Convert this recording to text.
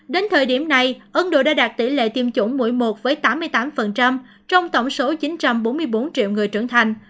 đến thời điểm này ấn độ đã đạt tỷ lệ tiêm chủng mũi một với tám mươi tám trong tổng số chín trăm bốn mươi bốn triệu người trưởng thành